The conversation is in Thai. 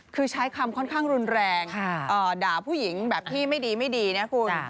คือใช้คำค่อนข้างรุนแรงด่าผู้หญิงแบบที่ไม่ดีไม่ดีนะคุณ